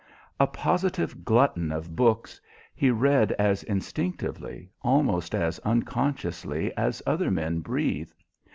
A positive glutton of books, he read as instinctively, almost as unconsciously, as other men breathe.